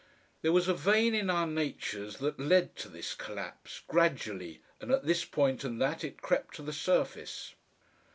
There was a vein in our natures that led to this collapse, gradually and at this point and that it crept to the surface.